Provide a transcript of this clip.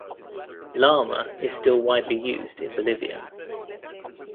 Llama is still widely used in Bolivia.